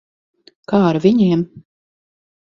Kā ar viņiem?